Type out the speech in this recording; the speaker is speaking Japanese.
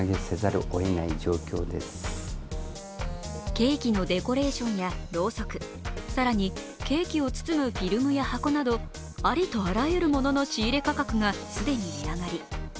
ケーキのデコレーションやろうそく更にケーキを包むフィルムや箱などありとあらゆるものの仕入れ価格が既に値上がり。